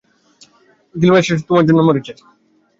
Gilgamesh তোমার জন্য মরেছে।